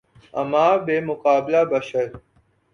اماں بمقابلہ بشر